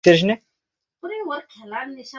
এটা নিরাপত্তার বিষয়।